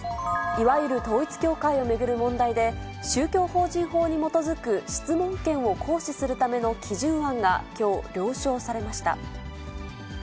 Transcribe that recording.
いわゆる統一教会を巡る問題で、宗教法人法に基づく質問権を行使するための基準案がきょう、了承されました。